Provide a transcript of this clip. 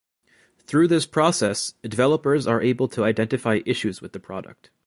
Through this process, developers are able to identify issues with the product.